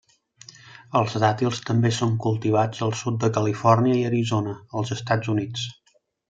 Els dàtils també són cultivats al sud de Califòrnia i Arizona, als Estats Units.